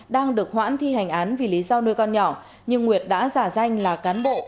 đang được hoãn thi hành án vì lý do nuôi con nhỏ nhưng nguyệt đã giả danh là cán bộ